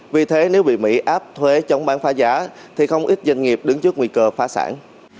vì thế nếu bị mỹ áp thuế chống bán phá giá thì không ít doanh nghiệp đứng trước nguy cơ phá sản